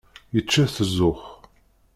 Yečča-t zzux.